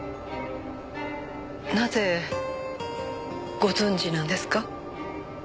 なぜご存じなんですか？